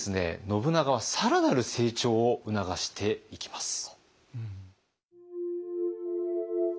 信長は更なる成長を促していきます。